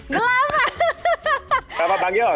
berapa bang yos